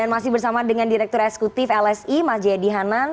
dan masih bersama dengan direktur esekutif lsi mas jayadi hanan